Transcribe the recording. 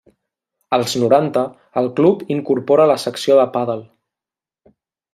Als noranta, el club incorpora la secció de pàdel.